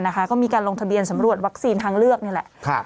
ก็มีการลงทะเบียนสำรวจวัคซีนทางเลือกนี่แหละ